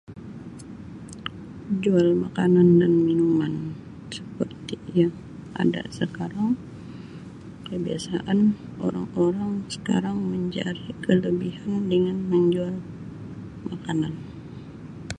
Jual makanan dan minuman seperti yang ada sekarang kebiasaan orang-orang sekarang mencari kelebihan dengan menjual makanan.